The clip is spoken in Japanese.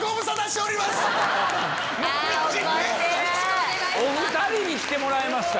お２人に来てもらいました。